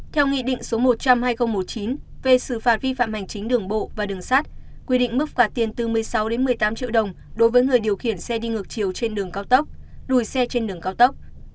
theo nghị định số một trăm linh hai nghìn một mươi chín về xử phạt vi phạm hành chính đường bộ và đường sát quy định mức phạt tiền từ một mươi sáu một mươi tám triệu đồng đối với người điều khiển xe đi ngược chiều trên đường cao tốc lùi xe trên đường cao tốc